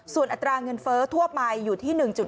ส่วนอัตราเงินเฟ้อทั่วไปอยู่ที่๑๔